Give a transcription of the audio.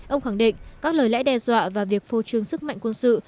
ông khẳng định các lời lẽ đe dọa và việc phô trương sức mạnh quân sự